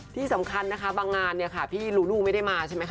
ที่สำคัญนะคะบางงานเนี่ยค่ะพี่ลูลูไม่ได้มาใช่ไหมค